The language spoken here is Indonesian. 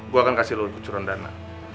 gue akan kasih lo kucuran dana